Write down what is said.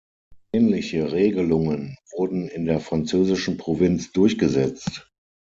Ähnliche Regelungen wurden in der französischen Provinz durchgesetzt.